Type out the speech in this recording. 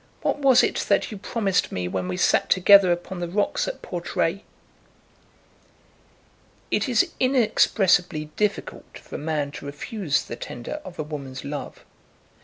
What was it that you promised me when we sat together upon the rocks at Portray?" It is inexpressibly difficult for a man to refuse the tender of a woman's love.